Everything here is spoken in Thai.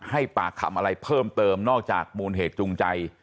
ให้ปากคำอะไรเพิ่มเติมนอกจากมูลเหตุจูงใจ